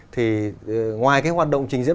thì ngoài cái hoạt động trình diễn